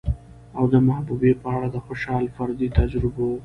او د محبوبې په اړه د خوشال فردي تجربو